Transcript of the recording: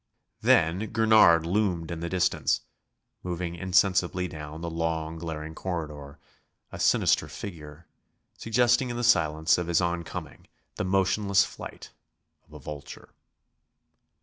Then Gurnard loomed in the distance, moving insensibly down the long, glaring corridor, a sinister figure, suggesting in the silence of his oncoming the motionless flight of a vulture.